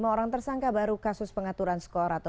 lima orang tersangka baru kasus pengaturan skor atau